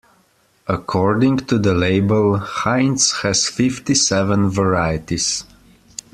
According to the label, Heinz has fifty-seven varieties